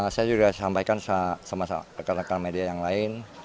saya juga sampaikan sama rekan rekan media yang lain